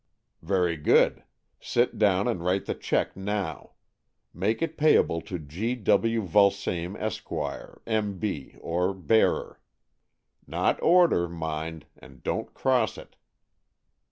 " Very good. Sit down and write the cheque now. Make it payable to G. W. Vulsame, Esq., M.B., or bearer. Not order, mind, and don't cross it."